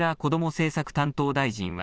政策担当大臣は。